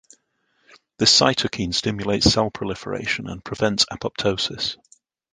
This cytokine stimulates cell proliferation and prevents apoptosis.